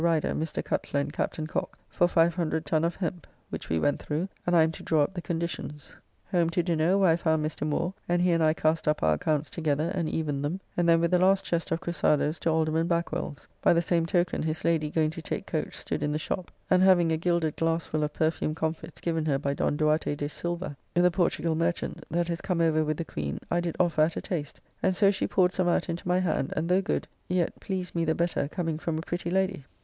Rider, Mr. Cutler, and Captain Cocke, for 500 ton of hemp, which we went through, and I am to draw up the conditions. Home to dinner, where I found Mr. Moore, and he and I cast up our accounts together and evened them, and then with the last chest of crusados to Alderman Backwell's, by the same token his lady going to take coach stood in the shop, and having a gilded glassfull of perfumed comfits given her by Don Duarte de Silva, the Portugall merchant, that is come over with the Queen, I did offer at a taste, and so she poured some out into my hand, and, though good, yet pleased me the better coming from a pretty lady.